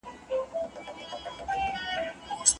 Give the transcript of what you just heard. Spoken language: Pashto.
شاګرد د علمي کارونو په ترسره کولو سره خپله پوهه زیاتوي.